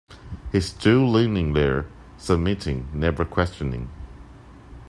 He stood leaning there, submitting, never questioning.